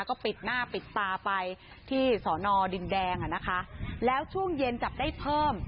ก็ปิดหน้าปิดตาไปที่สอนอดินแดงอ่ะนะคะแล้วช่วงเย็นจับได้เพิ่ม